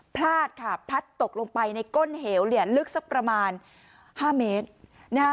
พลาดค่ะพลัดตกลงไปในก้นเหวเนี่ยลึกสักประมาณ๕เมตรนะฮะ